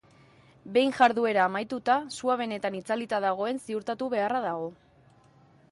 Behin jarduera amaituta, sua benetan itzalita dagoen ziurtatu beharra dago.